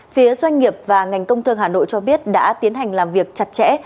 phía doanh nghiệp và ngành công thương hà nội cho biết đã tiến hành làm việc chặt chẽ